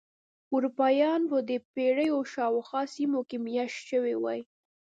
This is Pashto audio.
اروپایان به د پیرو شاوخوا سیمو کې مېشت شوي وای.